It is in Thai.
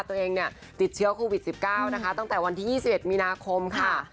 ตัวเองเนี่ยติดเชื้อโควิด๑๙นะคะตั้งแต่วันที่๒๑มีนาคมค่ะ